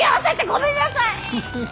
ごめんなさいいっ。